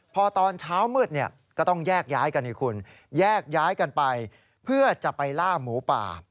พอตอนเช้ามืดก็ต้องแยกย้ายกันให้คุณแยกย้ายกันไปเพื่อจะไปล่าหมูป่า